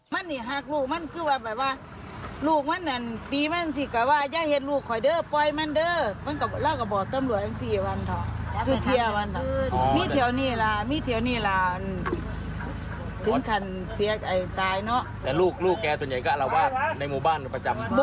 มันอยู่ดีมันของเงินพอ